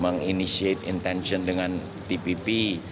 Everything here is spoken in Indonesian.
menginisiatifkan intension dengan tpp